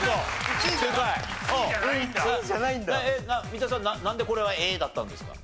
三田さんなんでこれは「えーっ！」だったんですか？